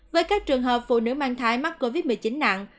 với các trường hợp phụ nữ mang thai mắc covid một mươi chín nặng